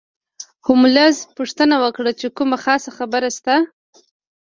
هولمز پوښتنه وکړه چې کومه خاصه خبره شته.